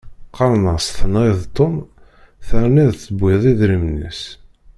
Qqaren-as tenɣiḍ Tom terniḍ tewwiḍ idrimen-is.